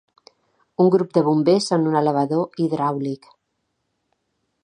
Un grup de bombers en un elevador hidràulic.